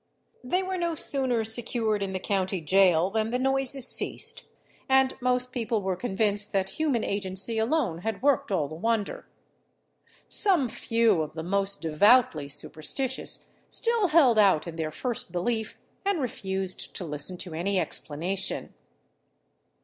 They were no sooner secured in the county gaol than the noises ceased, and most people were convinced that human agency alone had worked all the wonder. Some few of the most devoutly superstitious still held out in their first belief, and refused to listen to any explanation.